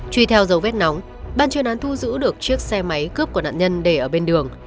truy theo dấu vết nóng ban chuyên án thu giữ được chiếc xe máy cướp của nạn nhân để ở bên đường